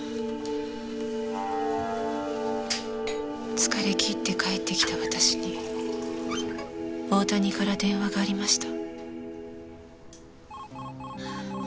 疲れ切って帰ってきた私に大谷から電話がありました。